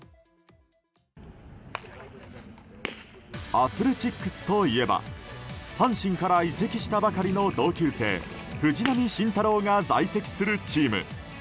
アスレチックスといえば阪神から移籍したばかりの同級生藤浪晋太郎が在籍するチーム。